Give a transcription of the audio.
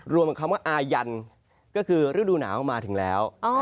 รวมกับคำว่าอายันก็คือฤดูหนาวมาถึงแล้ว